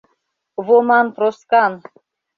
— Воман Проскан.